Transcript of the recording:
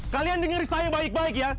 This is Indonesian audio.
kalian dengar saya baik baik ya